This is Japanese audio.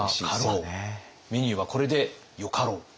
メニューはこれでよかろう！